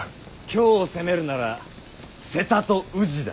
京を攻めるなら勢多と宇治だ。